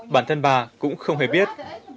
bản thân bà cũng không hề biết